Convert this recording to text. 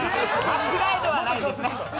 間違いではないですね。